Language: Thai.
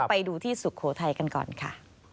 ไปดูที่สุโขทัยกันก่อนค่ะ